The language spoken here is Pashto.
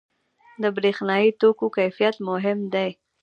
• د برېښنايي توکو کیفیت مهم دی.